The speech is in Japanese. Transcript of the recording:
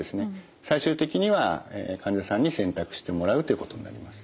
最終的には患者さんに選択してもらうということになります。